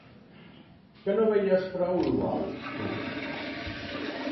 Que no veies “Frau Luau”, tu?